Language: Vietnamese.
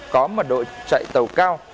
có mật độ chạy tàu cao